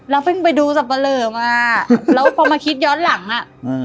แล้วเพิ่งไปดูสเผลอมาแล้วพอมาคิดย้อนหลังอะ